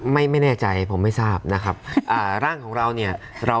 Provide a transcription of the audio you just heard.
ไม่แน่ใจผมไม่ทราบนะคะ